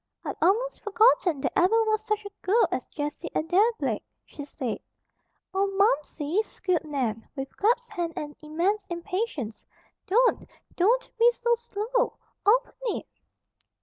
"I'd almost forgotten there ever was such a girl as Jessie Adair Blake," she said. "Oh, Momsey!" squealed Nan, with clasped hands and immense impatience. "Don't, DON'T be so slow! Open it!"